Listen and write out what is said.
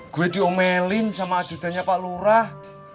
gue diomelin sama ajudannya pak lurah